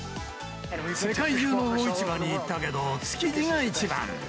世界中の魚市場に行ったけど、築地が一番。